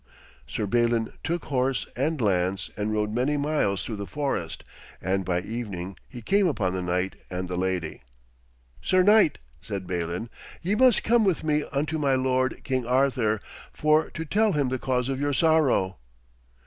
Sir Balin took horse and lance and rode many miles through the forest, and by evening he came upon the knight and the lady. 'Sir knight,' said Balin, 'ye must come with me unto my lord, King Arthur, for to tell him the cause of your sorrow.'